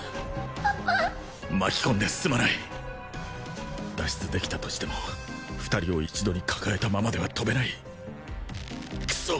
パパ巻き込んですまない脱出できたとしても２人を一度に抱えたままでは飛べないクソッ